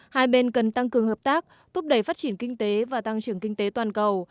hai bên cần tăng cường hợp tác thúc đẩy phát triển kinh tế và tăng trưởng kinh tế toàn cầu